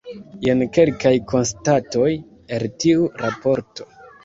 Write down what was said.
Jen kelkaj konstatoj el tiu raporto.